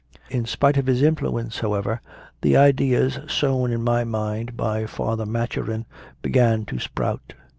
In spite of his influence, however, the ideas sown in my mind by Father Maturin began to sprout.